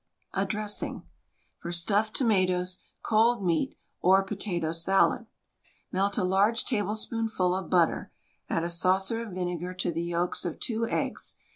A DRESSING (For stuffed tomatoes, cold meat or potato salad.) Melt a large tablespoonful of butter. Add a saucer of vinegar to the yolks of two eggs.